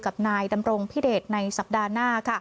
กับนายดำรงพิเดชในสัปดาห์หน้า